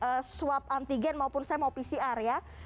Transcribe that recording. ke klinik swab antigen maupun saya mau pcr ya